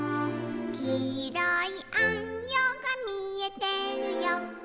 「きいろいあんよがみえてるよ」